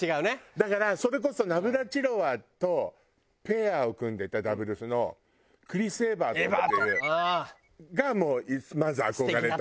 だからそれこそナブラチロワとペアを組んでたダブルスのクリス・エバートっていうがもうまず憧れた人よね。